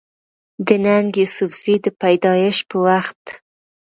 د ننګ يوسفزۍ د پېدايش پۀ وخت